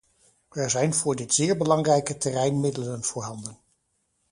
Er zijn voor dit zeer belangrijke terrein middelen voorhanden.